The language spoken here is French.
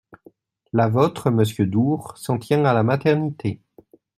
Le vôtre, monsieur Door, s’en tient à la maternité.